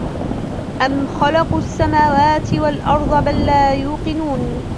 أم خلقوا السماوات والأرض بل لا يوقنون